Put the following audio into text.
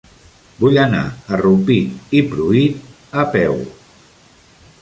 Vull anar a Rupit i Pruit a peu.